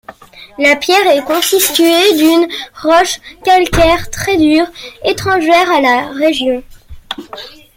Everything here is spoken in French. La pierre est constituée d'une roche calcaire très dure, étrangère à la région.